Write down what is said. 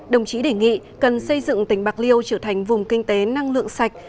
đồng chí đề nghị cần xây dựng tỉnh bạc liêu trở thành vùng kinh tế năng lượng sạch